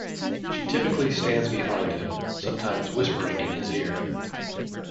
She typically stands behind him, sometimes whispering in his ear.